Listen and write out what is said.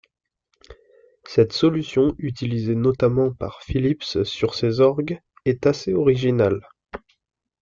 Cette solution utilisée notamment par Philips sur ses orgues, est assez originale.